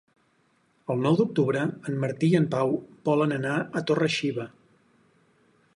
El nou d'octubre en Martí i en Pau volen anar a Torre-xiva.